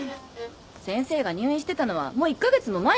先生が入院してたのはもう１カ月も前ですよ。